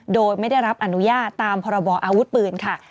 โดยไม่ได้รับอนุญาตตามพรบออาวุธปืนค่ะ